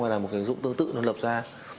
hay là một cái ứng dụng tương tự nó lập ra